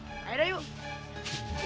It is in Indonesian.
gue boleh main gak di kamar lu